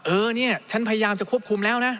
เออเนี่ยฉันพยายามจะควบคุมแล้วนะ